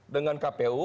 dua dengan kpu